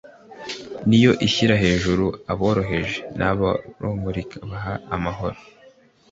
Niyo ishyira hejuru aboroheje, n’ababoroga ikabaha amahoro